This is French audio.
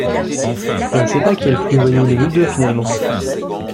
Je ne sais pas qui est le plus voyou de nous deux, finalement